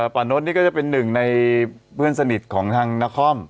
ป่านดนี่ก็จะเป็นหนึ่งในเพื่อนสนิทของทางนคร